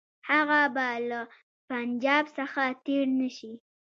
هغه به له پنجاب څخه تېر نه شي.